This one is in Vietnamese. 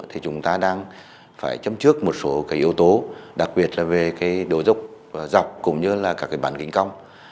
thì chúng ta đang phải chấm trước một số yếu tố đặc biệt là về đồ dốc dọc cũng như là các bản kính cong